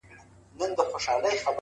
• دا ستا دسرو سترگو خمار وچاته څه وركوي،